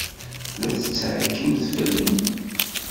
La tettɛekkimt fell-i?